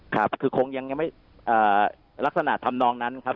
ครับคือคงยังไม่ลักษณะทำนองนั้นครับ